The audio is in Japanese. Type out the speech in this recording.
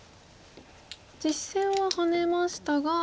実戦はハネましたが。